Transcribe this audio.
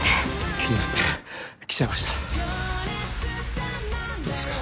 気になって来ちゃいましたどうですか？